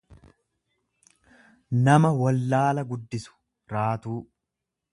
nama wallaala guddisu, raatuu.